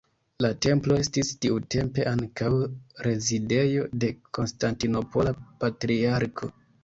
La templo estis tiutempe ankaŭ rezidejo de konstantinopola patriarko.